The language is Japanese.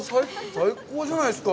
最高じゃないですか。